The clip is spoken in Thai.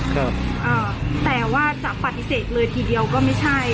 ครับอ่าแต่ว่าจะปฏิเสธเลยทีเดียวก็ไม่ใช่